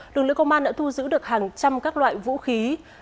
lực lượng công an đã thu giữ được hàng trăm các loại vũ khí